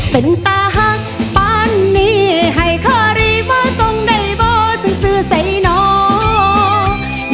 เป็นตาหักปานนี้ให้เคอรี่มาส่งได้บอกสังสือใส่น้อง